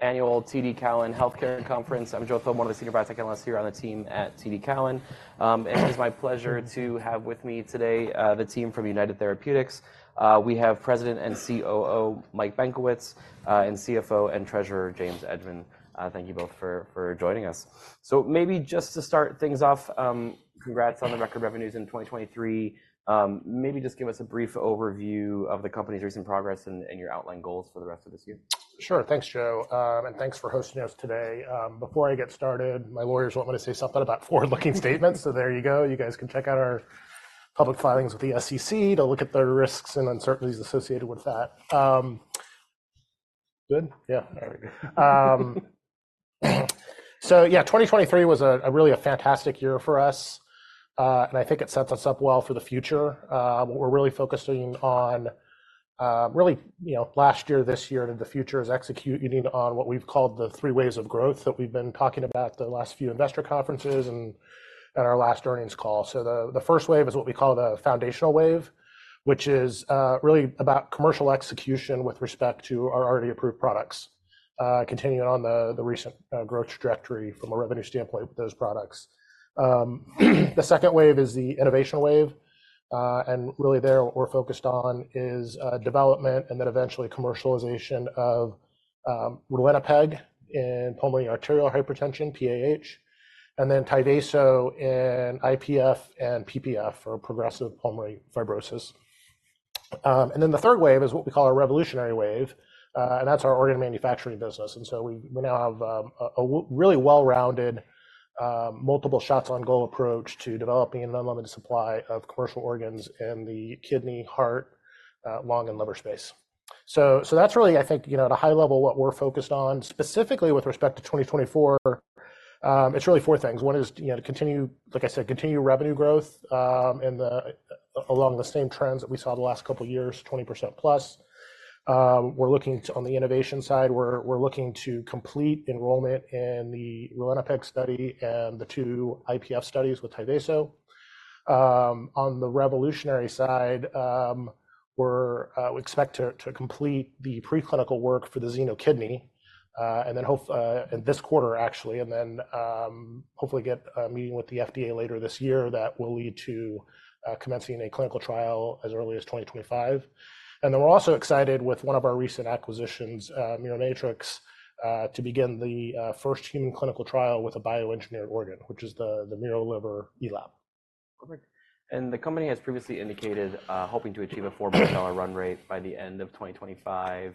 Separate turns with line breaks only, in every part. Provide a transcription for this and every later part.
Annual TD Cowen Healthcare Conference. I'm Joe Thome, one of the senior biotech analysts here on the team at TD Cowen. And it is my pleasure to have with me today the team from United Therapeutics. We have President and COO Mike Benkowitz and CFO and Treasurer James Edgemond. Thank you both for joining us. So maybe just to start things off, congrats on the record revenues in 2023. Maybe just give us a brief overview of the company's recent progress and your outlined goals for the rest of this year.
Sure. Thanks, Joe. And thanks for hosting us today. Before I get started, my lawyers want me to say something about forward-looking statements. So there you go. You guys can check out our public filings with the SEC to look at the risks and uncertainties associated with that.
Good? Yeah. All right.
So yeah, 2023 was really a fantastic year for us. And I think it sets us up well for the future. We're really focusing on really last year, this year, and in the future is executing on what we've called the three waves of growth that we've been talking about the last few investor conferences and at our last earnings call. So the first wave is what we call the foundational wave, which is really about commercial execution with respect to our already approved products, continuing on the recent growth trajectory from a revenue standpoint with those products. The second wave is the innovation wave. Really there we're focused on is development and then eventually commercialization of ralinepag in Pulmonary Arterial Hypertension, PAH, and then Tyvaso in IPF and PPF for Progressive Pulmonary Fibrosis. Then the third wave is what we call our revolutionary wave. That's our organ manufacturing business. So we now have a really well-rounded, multiple shots on goal approach to developing an unlimited supply of commercial organs in the kidney, heart, lung, and liver space. So that's really, I think, at a high level what we're focused on. Specifically with respect to 2024, it's really four things. One is to continue, like I said, continue revenue growth along the same trends that we saw the last couple of years, 20%+. On the innovation side, we're looking to complete enrollment in the ralinepag study and the two IPF studies with Tyvaso. On the revolutionary side, we expect to complete the preclinical work for the Xenokidney in this quarter, actually, and then hopefully get a meeting with the FDA later this year that will lead to commencing a clinical trial as early as 2025. And then we're also excited with one of our recent acquisitions, Miromatrix, to begin the first human clinical trial with a bioengineered organ, which is the miroliverELAP.
Perfect. And the company has previously indicated hoping to achieve a $4 billion run rate by the end of 2025.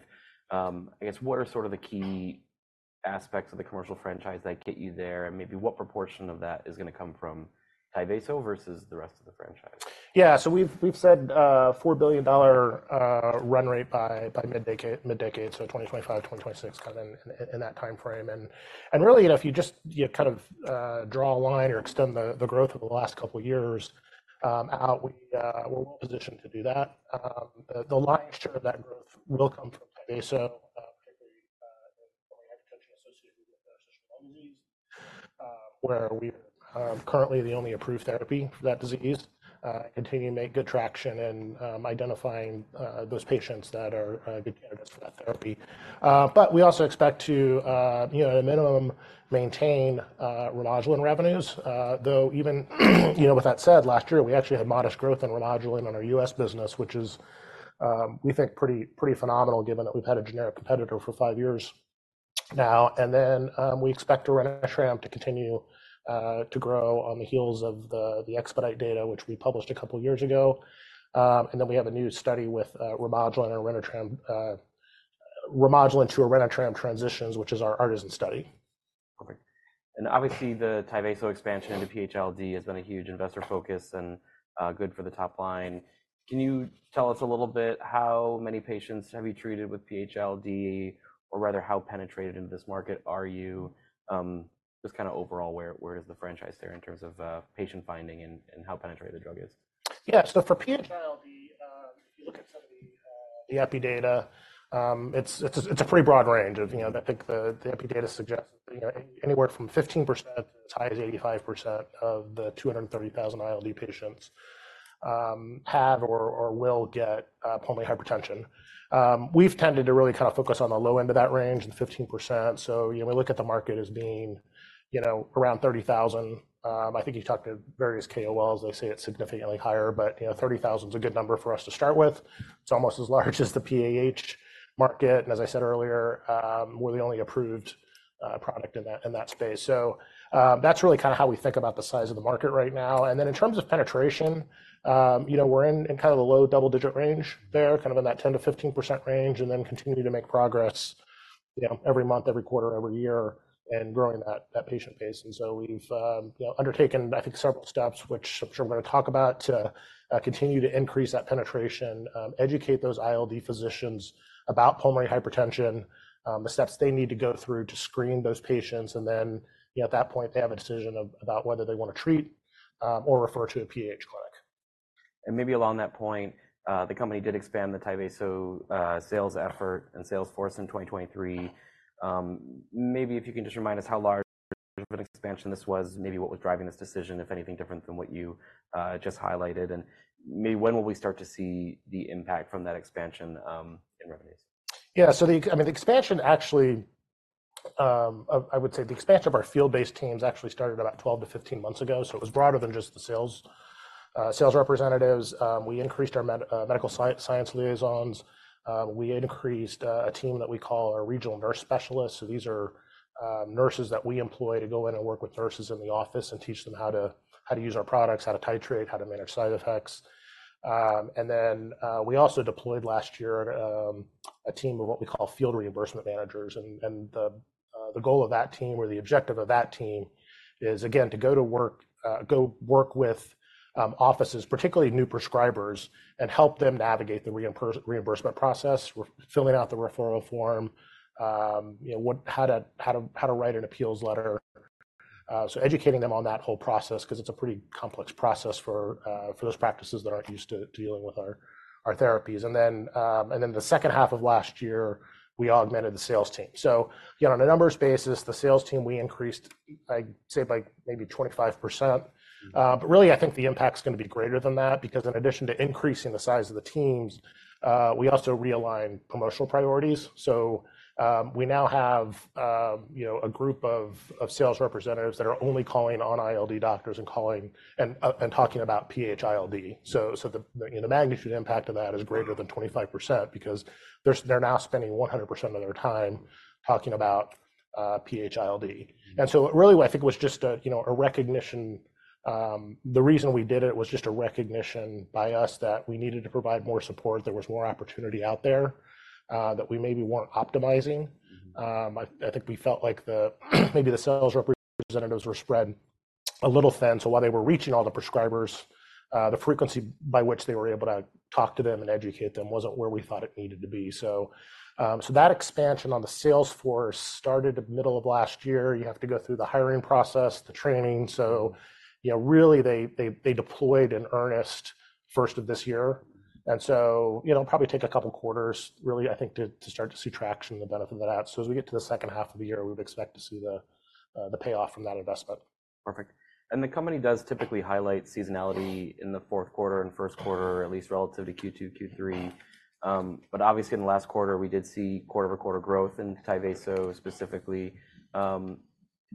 I guess what are sort of the key aspects of the commercial franchise that get you there? And maybe what proportion of that is going to come from Tyvaso versus the rest of the franchise?
Yeah. So we've said $4 billion run rate by mid-decade, so 2025, 2026, kind of in that timeframe. And really, if you just kind of draw a line or extend the growth of the last couple of years out, we're well positioned to do that. The lion's share of that growth will come from Tyvaso, particularly pulmonary hypertension associated with interstitial lung disease, where we are currently the only approved therapy for that disease and continue to make good traction in identifying those patients that are good candidates for that therapy. But we also expect to, at a minimum, maintain Remodulin revenues. Though even with that said, last year, we actually had modest growth in Remodulin on our U.S. business, which is, we think, pretty phenomenal given that we've had a generic competitor for five years now. We expect Orenitram to continue to grow on the heels of the expedite data, which we published a couple of years ago. We have a new study with Remodulin to Orenitram transitions, which is our artisan study.
Perfect. And obviously, the Tyvaso expansion into PH-ILD has been a huge investor focus and good for the top line. Can you tell us a little bit how many patients have you treated with PH-ILD, or rather, how penetrated into this market are you? Just kind of overall, where is the franchise there in terms of patient finding and how penetrated the drug is?
Yeah. So for PH-ILD, if you look at some of the epidata, it's a pretty broad range. I think the EPI data suggests anywhere from 15%-85% of the 230,000 ILD patients have or will get pulmonary hypertension. We've tended to really kind of focus on the low end of that range, the 15%. So we look at the market as being around 30,000. I think you talked to various KOLs. They say it's significantly higher, but 30,000 is a good number for us to start with. It's almost as large as the PAH market. And as I said earlier, we're the only approved product in that space. So that's really kind of how we think about the size of the market right now. And then in terms of penetration, we're in kind of the low double-digit range there, kind of in that 10%-15% range, and then continue to make progress every month, every quarter, every year in growing that patient base. And so we've undertaken, I think, several steps, which I'm sure we're going to talk about, to continue to increase that penetration, educate those ILD physicians about pulmonary hypertension, the steps they need to go through to screen those patients. And then at that point, they have a decision about whether they want to treat or refer to a PAH clinic.
And maybe along that point, the company did expand the Tyvaso sales effort and sales force in 2023. Maybe if you can just remind us how large of an expansion this was, maybe what was driving this decision, if anything different than what you just highlighted? And maybe when will we start to see the impact from that expansion in revenues?
Yeah. So I mean, the expansion actually I would say the expansion of our field-based teams actually started about 12-15 months ago. So it was broader than just the sales representatives. We increased our medical science liaisons. We increased a team that we call our regional nurse specialists. So these are nurses that we employ to go in and work with nurses in the office and teach them how to use our products, how to titrate, how to manage side effects. And then we also deployed last year a team of what we call field reimbursement managers. And the goal of that team or the objective of that team is, again, to go work with offices, particularly new prescribers, and help them navigate the reimbursement process, filling out the referral form, how to write an appeals letter. So educating them on that whole process because it's a pretty complex process for those practices that aren't used to dealing with our therapies. And then the second half of last year, we augmented the sales team. So on a numbers basis, the sales team, we increased, I'd say, by maybe 25%. But really, I think the impact is going to be greater than that because in addition to increasing the size of the teams, we also realigned promotional priorities. So we now have a group of sales representatives that are only calling on ILD doctors and talking about PH-ILD. So the magnitude impact of that is greater than 25% because they're now spending 100% of their time talking about PH-ILD. And so really, I think it was just a recognition. The reason we did it was just a recognition by us that we needed to provide more support, there was more opportunity out there that we maybe weren't optimizing. I think we felt like maybe the sales representatives were spread a little thin. So while they were reaching all the prescribers, the frequency by which they were able to talk to them and educate them wasn't where we thought it needed to be. So that expansion on the sales force started the middle of last year. You have to go through the hiring process, the training. So really, they deployed in earnest first of this year. And so it'll probably take a couple of quarters, really, I think, to start to see traction and the benefit of that. So as we get to the second half of the year, we would expect to see the payoff from that investment.
Perfect. And the company does typically highlight seasonality in the fourth quarter and first quarter, at least relative to Q2, Q3. But obviously, in the last quarter, we did see quarter-over-quarter growth in Tyvaso specifically.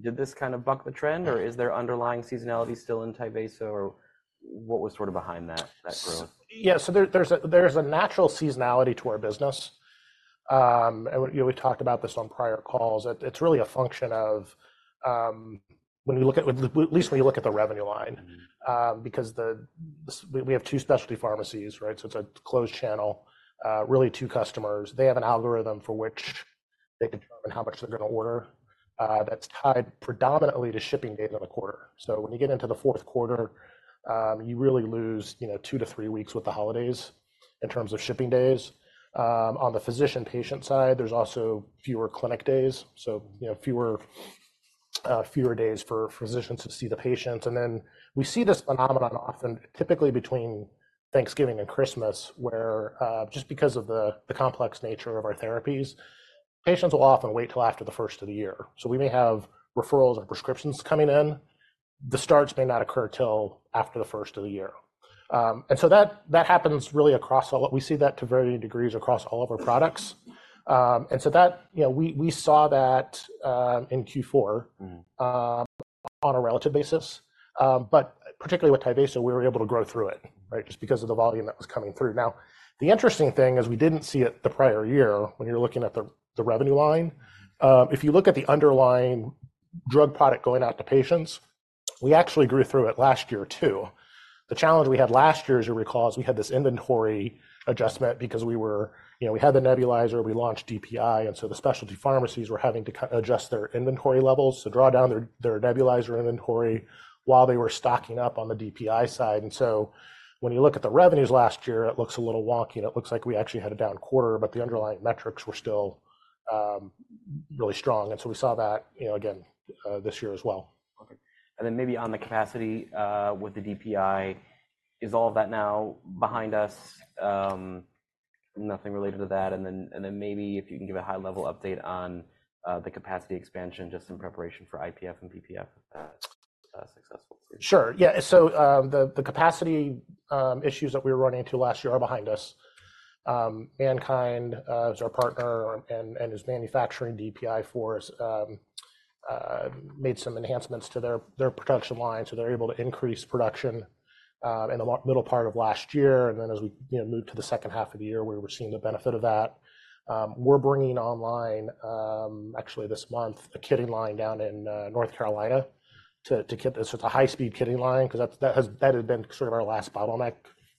Did this kind of buck the trend, or is there underlying seasonality still in Tyvaso, or what was sort of behind that growth?
Yeah. So there's a natural seasonality to our business. We talked about this on prior calls. It's really a function of when you look at least when you look at the revenue line because we have two specialty pharmacies, right? So it's a closed channel, really two customers. They have an algorithm for which they determine how much they're going to order that's tied predominantly to shipping days of the quarter. So when you get into the fourth quarter, you really lose 2-3 weeks with the holidays in terms of shipping days. On the physician-patient side, there's also fewer clinic days, so fewer days for physicians to see the patients. And then we see this phenomenon often, typically between Thanksgiving and Christmas, where just because of the complex nature of our therapies, patients will often wait till after the first of the year. So we may have referrals and prescriptions coming in. The starts may not occur till after the first of the year. And so that happens really across all we see that to varying degrees across all of our products. And so we saw that in Q4 on a relative basis. But particularly with Tyvaso, we were able to grow through it, right, just because of the volume that was coming through. Now, the interesting thing is we didn't see it the prior year when you're looking at the revenue line. If you look at the underlying drug product going out to patients, we actually grew through it last year too. The challenge we had last year, as you recall, is we had this inventory adjustment because we had the nebulizer. We launched DPI. And so the specialty pharmacies were having to adjust their inventory levels, so draw down their nebulizer inventory while they were stocking up on the DPI side. And so when you look at the revenues last year, it looks a little wonky. It looks like we actually had a down quarter, but the underlying metrics were still really strong. And so we saw that, again, this year as well.
Perfect. And then maybe on the capacity with the DPI, is all of that now behind us? Nothing related to that. And then maybe if you can give a high-level update on the capacity expansion just in preparation for IPF and PPF successful.
Sure. Yeah. So the capacity issues that we were running into last year are behind us. MannKind, who's our partner and is manufacturing DPI for us, made some enhancements to their production line. So they're able to increase production in the middle part of last year. And then as we moved to the second half of the year, we were seeing the benefit of that. We're bringing online, actually this month, a kitting line down in North Carolina to kit this. So it's a high-speed kitting line because that had been sort of our last bottleneck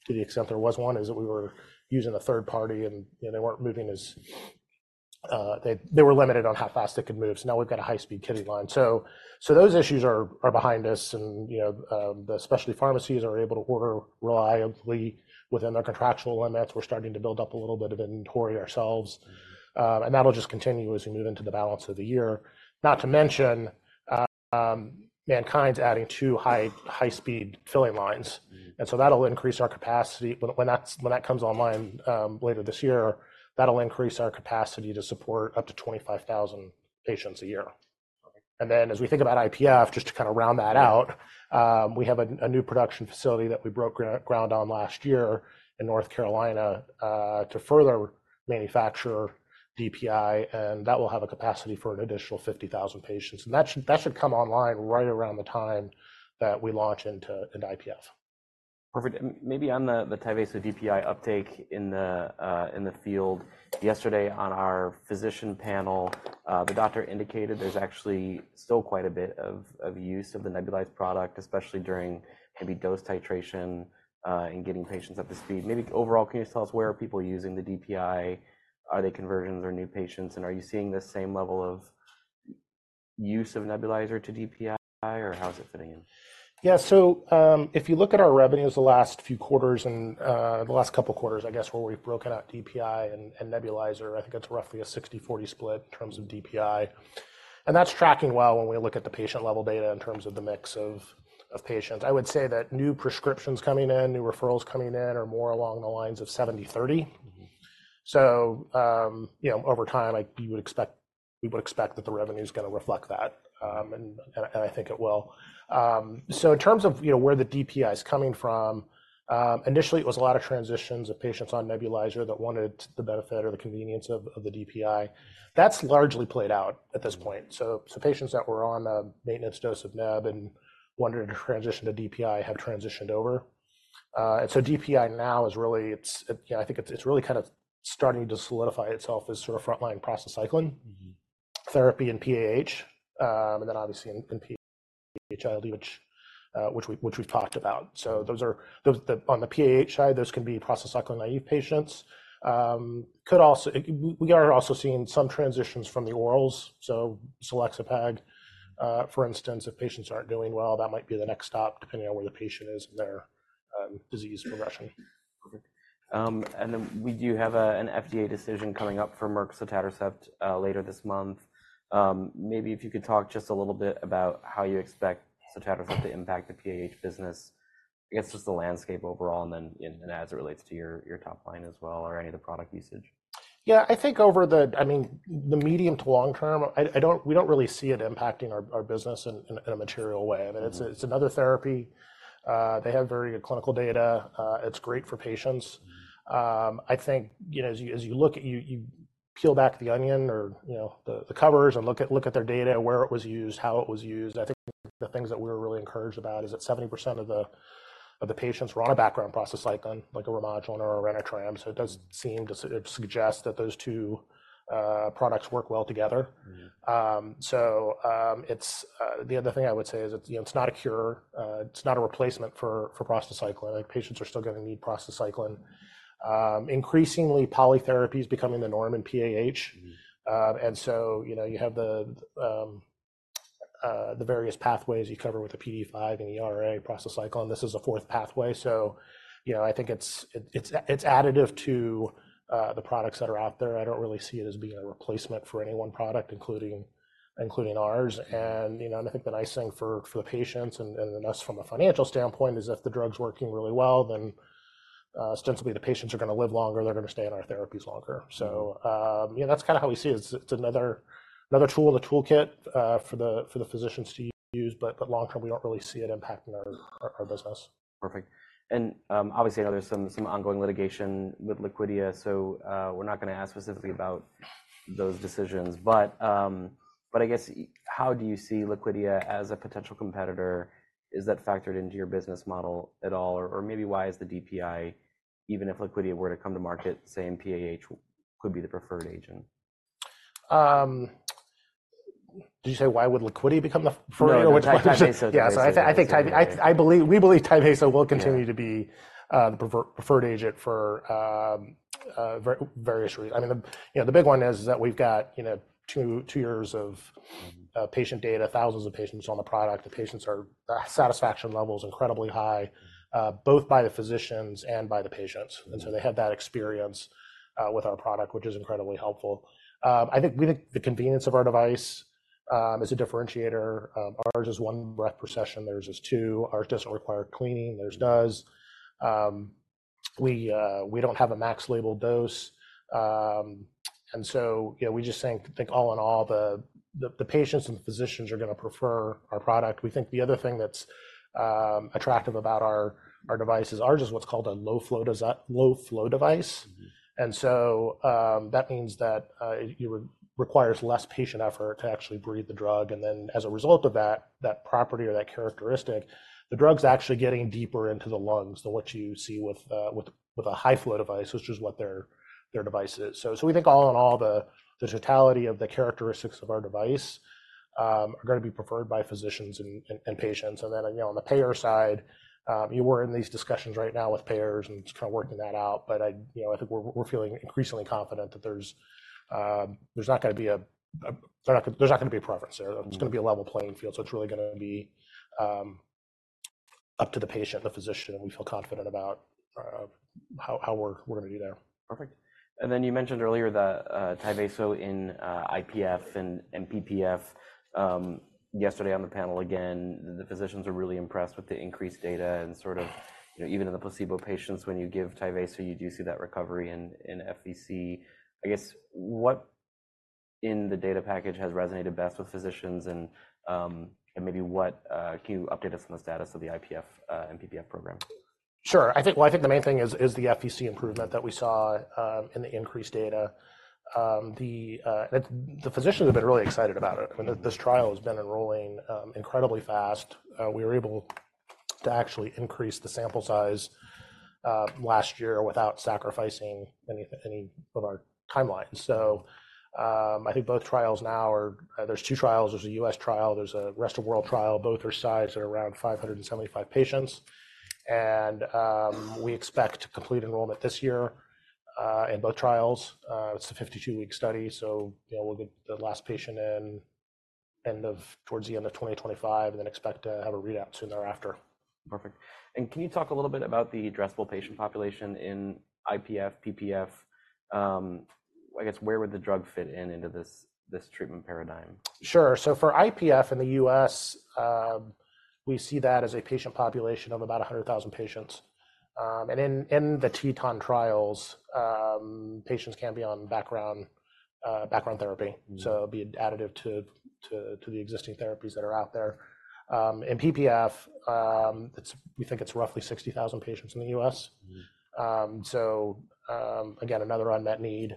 to the extent there was one, is that we were using a third party, and they weren't moving as they were limited on how fast they could move. So now we've got a high-speed kitting line. So those issues are behind us. And the specialty pharmacies are able to order reliably within their contractual limits. We're starting to build up a little bit of inventory ourselves. That'll just continue as we move into the balance of the year, not to mention MannKind's adding two high-speed filling lines. So that'll increase our capacity. When that comes online later this year, that'll increase our capacity to support up to 25,000 patients a year. Then as we think about IPF, just to kind of round that out, we have a new production facility that we broke ground on last year in North Carolina to further manufacture DPI. That will have a capacity for an additional 50,000 patients. That should come online right around the time that we launch into IPF.
Perfect. And maybe on the Tyvaso DPI uptake in the field, yesterday on our physician panel, the doctor indicated there's actually still quite a bit of use of the nebulized product, especially during maybe dose titration and getting patients up to speed. Maybe overall, can you just tell us where are people using the DPI? Are they conversions or new patients? And are you seeing the same level of use of nebulizer to DPI, or how is it fitting in?
Yeah. So if you look at our revenues the last few quarters and the last couple of quarters, I guess, where we've broken out DPI and nebulizer, I think it's roughly a 60-40 split in terms of DPI. And that's tracking well when we look at the patient-level data in terms of the mix of patients. I would say that new prescriptions coming in, new referrals coming in, are more along the lines of 70-30. So over time, you would expect we would expect that the revenue is going to reflect that. And I think it will. So in terms of where the DPI is coming from, initially, it was a lot of transitions of patients on nebulizer that wanted the benefit or the convenience of the DPI. That's largely played out at this point. So patients that were on a maintenance dose of neb and wanted to transition to DPI have transitioned over. And so DPI now is really I think it's really kind of starting to solidify itself as sort of frontline prostacyclin therapy and PAH, and then obviously in PH-ILD, which we've talked about. So on the PAH side, those can be prostacyclin naive patients. We are also seeing some transitions from the orals. So selexipag, for instance, if patients aren't doing well, that might be the next stop depending on where the patient is and their disease progression.
Perfect. And then we do have an FDA decision coming up for Merck sotatercept later this month. Maybe if you could talk just a little bit about how you expect sotatercept to impact the PAH business, I guess just the landscape overall and then as it relates to your top line as well or any of the product usage?
Yeah. I think over the, I mean, the medium- to long-term, we don't really see it impacting our business in a material way. I mean, it's another therapy. They have very good clinical data. It's great for patients. I think as you look at, you peel back the onion or the covers and look at their data, where it was used, how it was used, I think the things that we were really encouraged about is that 70% of the patients were on a background prostacyclin like a Remodulin or an Orenitram. So it does seem to suggest that those two products work well together. So the other thing I would say is it's not a cure. It's not a replacement for prostacyclin. I think patients are still going to need prostacyclin. Increasingly, polytherapy is becoming the norm in PAH. You have the various pathways you cover with a PDE5 and ERA prostacyclin. This is a fourth pathway. So I think it's additive to the products that are out there. I don't really see it as being a replacement for any one product, including ours. And I think the nice thing for the patients and us from a financial standpoint is if the drug's working really well, then ostensibly, the patients are going to live longer. They're going to stay in our therapies longer. So that's kind of how we see it. It's another tool, the toolkit for the physicians to use. But long term, we don't really see it impacting our business.
Perfect. Obviously, I know there's some ongoing litigation with Liquidia. We're not going to ask specifically about those decisions. I guess how do you see Liquidia as a potential competitor? Is that factored into your business model at all? Maybe why is the DPI, even if Liquidia were to come to market, saying PAH could be the preferred agent?
Did you say why would Liquidia become the preferred agent or which one?
Yeah.
So I think Tyvaso we believe Tyvaso will continue to be the preferred agent for various reasons. I mean, the big one is that we've got two years of patient data, thousands of patients on the product. The satisfaction level is incredibly high, both by the physicians and by the patients. And so they have that experience with our product, which is incredibly helpful. I think we think the convenience of our device is a differentiator. Ours is one breath per session. Theirs is two. Ours doesn't require cleaning. Theirs does. We don't have a max-labeled dose. And so we just think, all in all, the patients and the physicians are going to prefer our product. We think the other thing that's attractive about our device is ours is what's called a low-flow device. And so that means that it requires less patient effort to actually breathe the drug. And then as a result of that property or that characteristic, the drug's actually getting deeper into the lungs than what you see with a high-flow device, which is what their device is. So we think, all in all, the totality of the characteristics of our device are going to be preferred by physicians and patients. And then on the payer side, we're in these discussions right now with payers and kind of working that out. But I think we're feeling increasingly confident that there's not going to be a there's not going to be a preference there. It's going to be a level playing field. So it's really going to be up to the patient, the physician, and we feel confident about how we're going to do there.
Perfect. And then you mentioned earlier that Tyvaso in IPF and PPF. Yesterday on the panel again, the physicians were really impressed with the increased data. And sort of even in the placebo patients, when you give Tyvaso, you do see that recovery in FVC. I guess what in the data package has resonated best with physicians? And maybe what can you update us on the status of the IPF/PPF program?
Sure. Well, I think the main thing is the FVC improvement that we saw in the increased data. The physicians have been really excited about it. I mean, this trial has been enrolling incredibly fast. We were able to actually increase the sample size last year without sacrificing any of our timelines. So I think both trials now are. There's two trials. There's a U.S. trial. There's a rest of world trial. Both are sized at around 575 patients. And we expect complete enrollment this year in both trials. It's a 52-week study. So we'll get the last patient in towards the end of 2025 and then expect to have a readout soon thereafter.
Perfect. And can you talk a little bit about the addressable patient population in IPF/PPF? I guess where would the drug fit into this treatment paradigm?
Sure. So for IPF in the U.S., we see that as a patient population of about 100,000 patients. And in the Teton trials, patients can be on background therapy. So it'll be additive to the existing therapies that are out there. In PPF, we think it's roughly 60,000 patients in the U.S. So again, another unmet need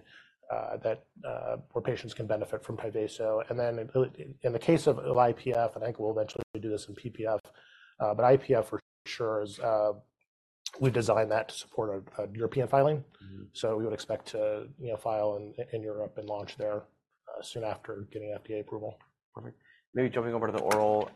where patients can benefit from Tyvaso. And then in the case of IPF, and I think we'll eventually do this in PPF, but IPF for sure, we designed that to support a European filing. So we would expect to file in Europe and launch there soon after getting FDA approval.
Perfect. Maybe jumping over to the oral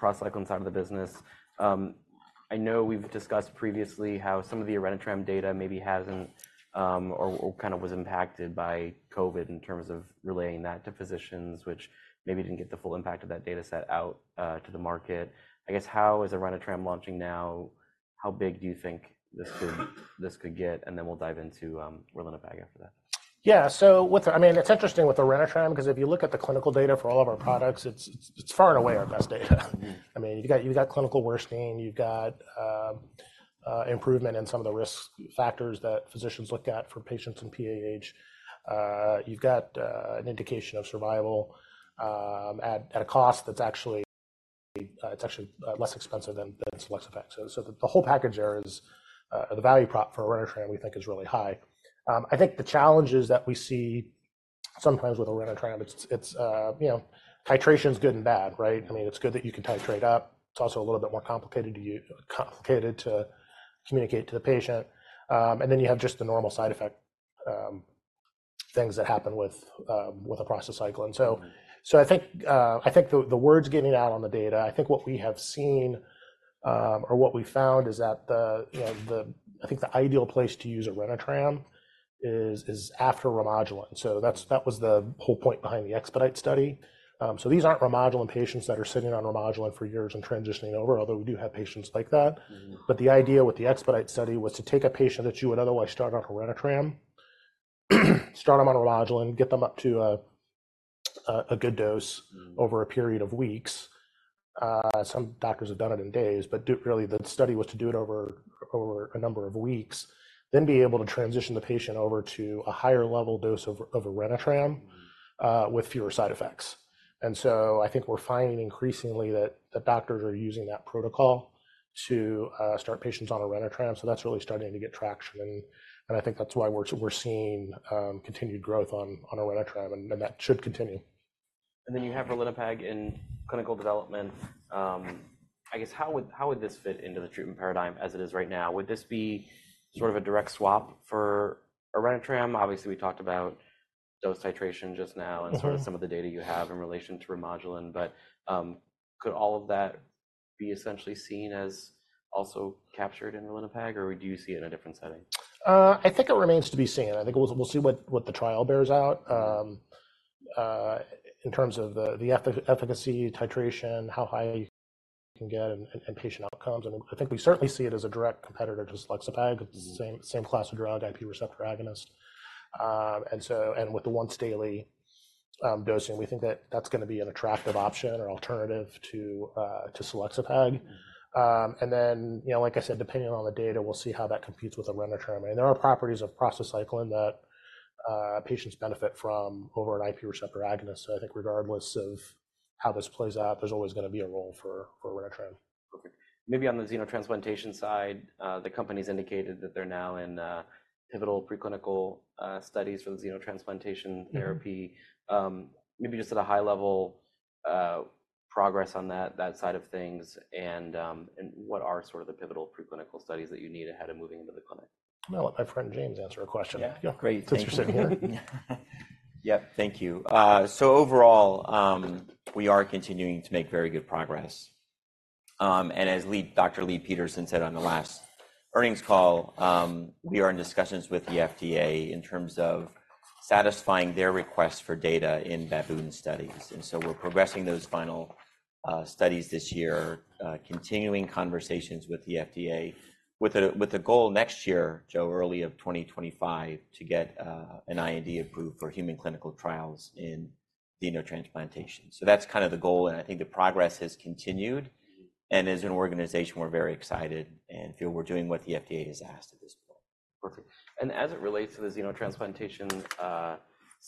prostacyclin side of the business. I know we've discussed previously how some of the Orenitram data maybe hasn't or kind of was impacted by COVID in terms of relaying that to physicians, which maybe didn't get the full impact of that dataset out to the market. I guess how is the Orenitram launching now? How big do you think this could get? And then we'll dive into ralinepag after that.
Yeah. So I mean, it's interesting with the Orenitram because if you look at the clinical data for all of our products, it's far and away our best data. I mean, you've got clinical worsening. You've got improvement in some of the risk factors that physicians look at for patients in PAH. You've got an indication of survival at a cost that's actually less expensive than selexipag. So the whole package there is the value prop for Orenitram, we think, is really high. I think the challenges that we see sometimes with Orenitram, it's titration's good and bad, right? I mean, it's good that you can titrate up. It's also a little bit more complicated to communicate to the patient. And then you have just the normal side effect things that happen with a prostacyclin. So I think the word's getting out on the data. I think what we have seen or what we found is that I think the ideal place to use an Orenitram is after ralinepag. So that was the whole point behind the Expedite study. So these aren't ralinepag patients that are sitting on ralinepag for years and transitioning over, although we do have patients like that. But the idea with the Expedite study was to take a patient that you would otherwise start on an Orenitram, start them on ralinepag, get them up to a good dose over a period of weeks. Some doctors have done it in days, but really, the study was to do it over a number of weeks, then be able to transition the patient over to a higher level dose of an Orenitram with fewer side effects. And so I think we're finding increasingly that doctors are using that protocol to start patients on Orenitram. So that's really starting to get traction. And I think that's why we're seeing continued growth on Orenitram, and that should continue.
Then you have ralinepag in clinical development. I guess how would this fit into the treatment paradigm as it is right now? Would this be sort of a direct swap for Orenitram? Obviously, we talked about dose titration just now and sort of some of the data you have in relation to Remodulin. But could all of that be essentially seen as also captured in ralinepag, or do you see it in a different setting?
I think it remains to be seen. I think we'll see what the trial bears out in terms of the efficacy, titration, how high you can get, and patient outcomes. I think we certainly see it as a direct competitor to selexipag, same class of drug, IP receptor agonist. With the once-daily dosing, we think that that's going to be an attractive option or alternative to selexipag. Then, like I said, depending on the data, we'll see how that competes with Orenitram. I mean, there are properties of prostacyclin that patients benefit from over an IP receptor agonist. I think regardless of how this plays out, there's always going to be a role for Orenitram.
Perfect. Maybe on the xenotransplantation side, the company's indicated that they're now in pivotal preclinical studies for the xenotransplantation therapy. Maybe just at a high-level progress on that side of things and what are sort of the pivotal preclinical studies that you need ahead of moving into the clinic?
I'll let my friend James answer a question. Thanks for sitting here.
Yep. Thank you. So overall, we are continuing to make very good progress. And as Dr. Leigh Peterson said on the last earnings call, we are in discussions with the FDA in terms of satisfying their request for data in baboon studies. And so we're progressing those final studies this year, continuing conversations with the FDA with a goal next year, Joe, early 2025, to get an IND approved for human clinical trials in xenotransplantation. So that's kind of the goal. And I think the progress has continued. And as an organization, we're very excited and feel we're doing what the FDA has asked at this point.
Perfect. As it relates to the xenotransplantation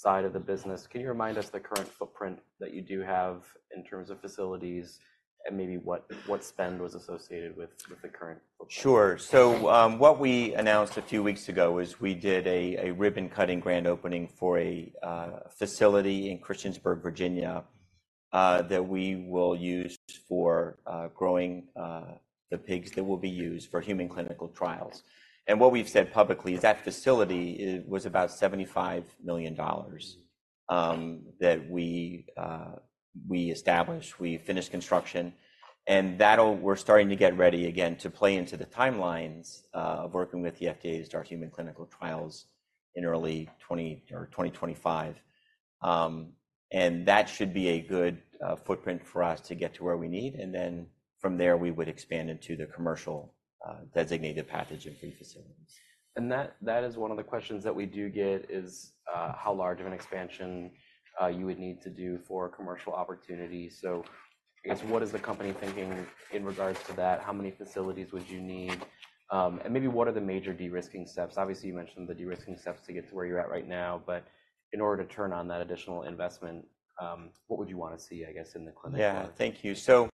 side of the business, can you remind us the current footprint that you do have in terms of facilities and maybe what spend was associated with the current footprint?
Sure. So what we announced a few weeks ago is we did a ribbon-cutting grand opening for a facility in Christiansburg, Virginia, that we will use for growing the pigs that will be used for human clinical trials. And what we've said publicly is that facility was about $75 million that we established. We finished construction. And we're starting to get ready again to play into the timelines of working with the FDA to start human clinical trials in early 2025. And that should be a good footprint for us to get to where we need. And then from there, we would expand into the commercial designated pathogen-free facilities.
That is one of the questions that we do get, is how large of an expansion you would need to do for commercial opportunities. I guess what is the company thinking in regards to that? How many facilities would you need? Maybe what are the major de-risking steps? Obviously, you mentioned the de-risking steps to get to where you're at right now. In order to turn on that additional investment, what would you want to see, I guess, in the clinic?
Yeah. Thank you. So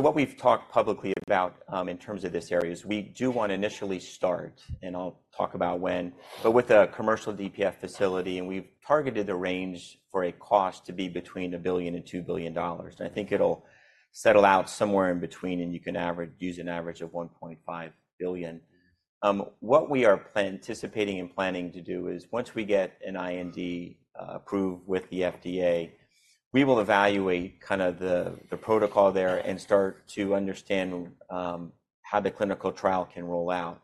what we've talked publicly about in terms of this area is we do want to initially start, and I'll talk about when, but with a commercial DPF facility, and we've targeted the range for a cost to be between $1 billion and $2 billion. And I think it'll settle out somewhere in between, and you can use an average of $1.5 billion. What we are anticipating and planning to do is once we get an IND approved with the FDA, we will evaluate kind of the protocol there and start to understand how the clinical trial can roll out.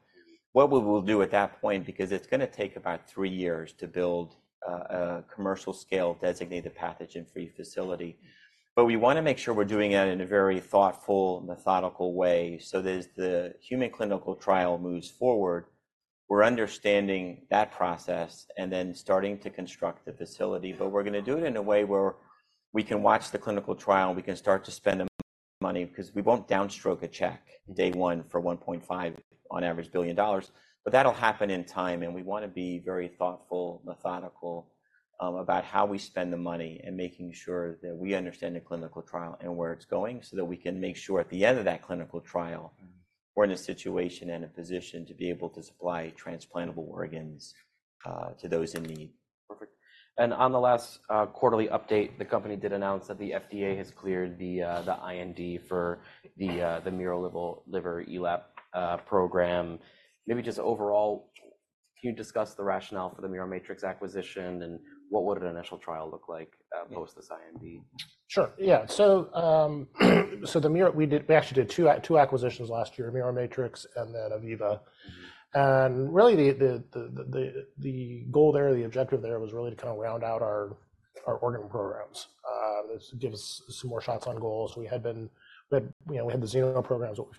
What we will do at that point because it's going to take about 3 years to build a commercial-scale designated pathogen-free facility. But we want to make sure we're doing that in a very thoughtful, methodical way. As the human clinical trial moves forward, we're understanding that process and then starting to construct the facility. We're going to do it in a way where we can watch the clinical trial, and we can start to spend the money because we won't downstroke a check day one for $1.5 billion on average. That'll happen in time. We want to be very thoughtful, methodical about how we spend the money and making sure that we understand the clinical trial and where it's going so that we can make sure at the end of that clinical trial, we're in a situation and a position to be able to supply transplantable organs to those in need.
Perfect. On the last quarterly update, the company did announce that the FDA has cleared the IND for the miroliver ELAP program. Maybe just overall, can you discuss the rationale for the Miromatrix acquisition, and what would an initial trial look like post this IND?
Sure. Yeah. So we actually did two acquisitions last year, Miromatrix and then Iviva. And really, the goal there, the objective there was really to kind of round out our organ programs. This gives us some more shots on goals. We had the xeno programs, what we've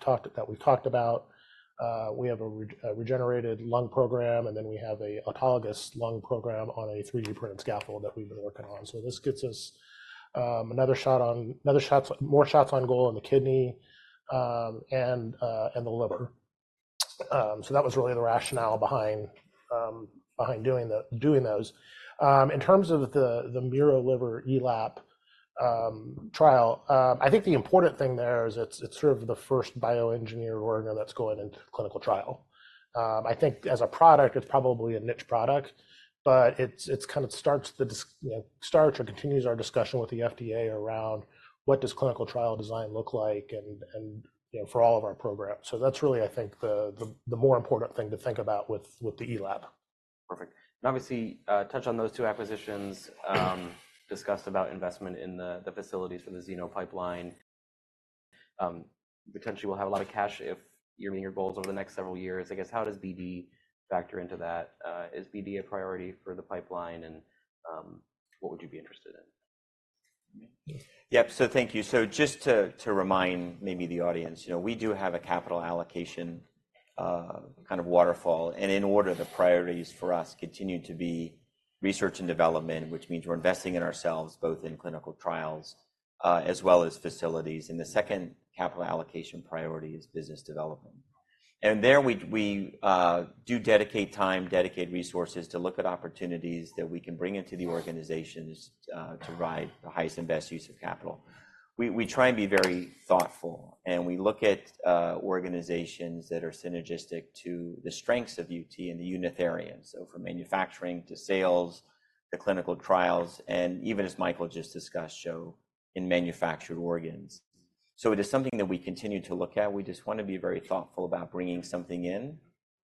talked about. We have a regenerated lung program, and then we have an autologous lung program on a 3D-printed scaffold that we've been working on. So this gets us another shot on more shots on goal in the kidney and the liver. So that was really the rationale behind doing those. In terms of the miroliver ELAP trial, I think the important thing there is it's sort of the first bioengineered organ that's going into clinical trial. I think as a product, it's probably a niche product, but it kind of starts the or continues our discussion with the FDA around what does clinical trial design look like for all of our programs. So that's really, I think, the more important thing to think about with the ELAP.
Perfect. And obviously, touch on those two acquisitions, discussed about investment in the facilities for the xenopipeline. Potentially, we'll have a lot of cash if you're meeting your goals over the next several years. I guess how does BD factor into that? Is BD a priority for the pipeline, and what would you be interested in?
Yep. So thank you. So just to remind maybe the audience, we do have a capital allocation kind of waterfall. And in order, the priorities for us continue to be research and development, which means we're investing in ourselves both in clinical trials as well as facilities. And the second capital allocation priority is business development. And there, we do dedicate time, dedicate resources to look at opportunities that we can bring into the organization to provide the highest and best use of capital. We try and be very thoughtful, and we look at organizations that are synergistic to the strengths of UT and the United Therapeutics, so from manufacturing to sales, to clinical trials, and even as Michael just discussed, Joe, in manufactured organs. So it is something that we continue to look at. We just want to be very thoughtful about bringing something in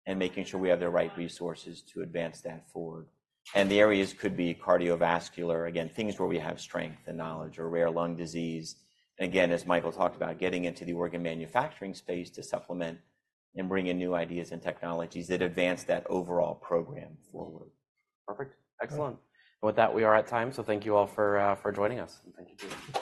and making sure we have the right resources to advance that forward. The areas could be cardiovascular, again, things where we have strength and knowledge, or rare lung disease. Again, as Michael talked about, getting into the organ manufacturing space to supplement and bring in new ideas and technologies that advance that overall program forward.
Perfect. Excellent. And with that, we are at time. So thank you all for joining us. And thank you, too.